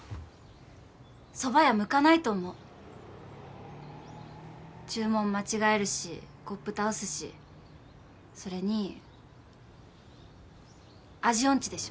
蕎麦屋向かないと思う注文間違えるしコップ倒すしそれに味オンチでしょ